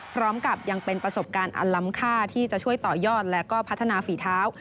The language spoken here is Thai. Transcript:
พร้อมกับยังเป็นประสบการณ์อันล้ำค่าที่จะช่วยต่อยอดและก็พัฒนาฝีเท้า